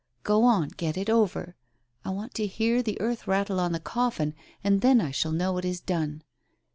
... Go on ! Get it over. I want to hear the earth rattle on the coffin, and then I shall know it is done.